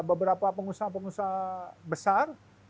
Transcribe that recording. beberapa pengusaha pengusaha besar